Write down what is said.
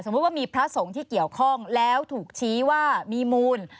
ว่ามีพระสงฆ์ที่เกี่ยวข้องแล้วถูกชี้ว่ามีมูล